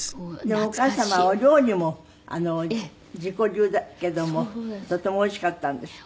でもお母様はお料理も自己流だけどもとてもおいしかったんですって？